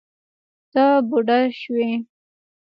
ته بوډه شوې